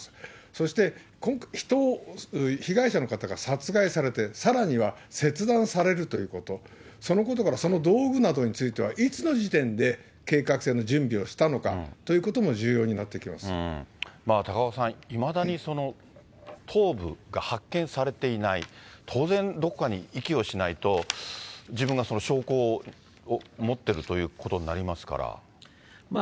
そして、被害者の方が殺害されて、さらには、切断されるということ、そのことから、その道具などについては、いつの時点で計画性の準備をしたのかということも重要になってき高岡さん、いまだに、頭部が発見されていない、当然、どこかに遺棄をしないと、自分が証拠を持ってるということになりますから。